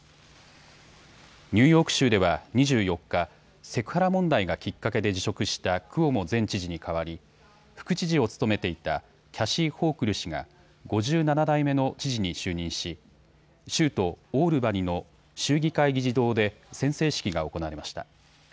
ニューヨーク州では２４日、セクハラ問題がきっかけで辞職したクオモ前知事に代わり副知事を務めていたキャシー・ホークル氏が５７代目の知事に就任し、州都オールバニの州議会議事堂で宣誓式が行われました。